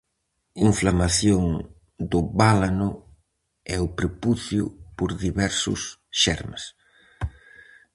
Inflamación do bálano e o prepucio por diversos xermes.